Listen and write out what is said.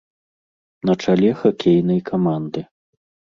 На чале хакейнай каманды.